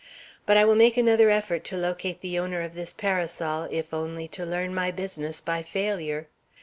But I will make another effort to locate the owner of this parasol, if only to learn my business by failure.